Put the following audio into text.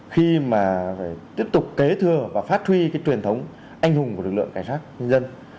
khi mà tiếp tục kế thừa và phát huy cái truyền thống anh hùng của lực lượng cảnh sát nhân dân